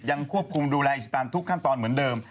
ยังควบคุมดูแลอิสตันทุกขั้นตอนเหมือนเดิม